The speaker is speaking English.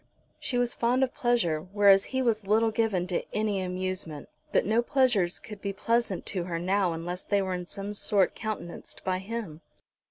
She was fond of pleasure, whereas he was little given to any amusement; but no pleasures could be pleasant to her now unless they were in some sort countenanced by him.